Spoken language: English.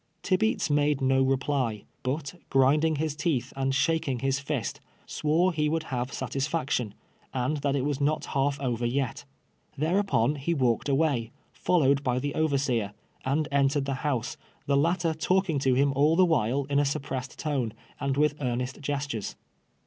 Tibeats made no rejjly, but, grinding his teeth and shaking his fist, swore he would have satisfaction, and that it was not half over yet. Thereupon he walk ed away, follow^ed by the overseer, and entered the house, the latter talking to him all the while in a sup pressed tone, and with earnest gestures.